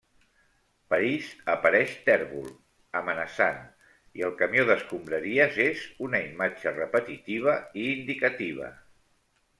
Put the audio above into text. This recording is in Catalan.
París apareix tèrbol, amenaçant, i el camió d'escombraries és una imatge repetitiva i indicativa.